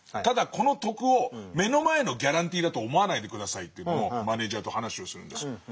ただこの得を目の前のギャランティーだと思わないで下さい」ってマネージャーと話をするんです。